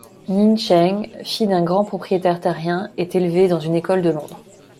Nien Cheng, fille d'un grand propriétaire terrien, est élevée dans une école de Londres.